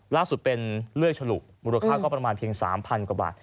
ล่าสุดเป็นเหลือฉลุรูปราคาเทศก็ประมาณ๓๐๐๐กว่าบาท